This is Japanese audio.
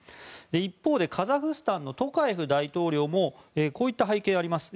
一方でカザフスタンのトカエフ大統領もこういった背景があります。